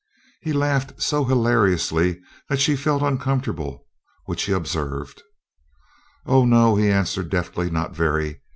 He laughed so hilariously that she felt uncomfortable, which he observed. "Oh, no," he answered deftly; "not very."